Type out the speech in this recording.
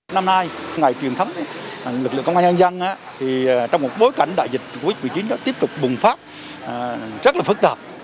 năm nay ngày truyền thấm lực lượng công an nhân dân trong một bối cảnh đại dịch của vị trí đó tiếp tục bùng phát rất là phức tạp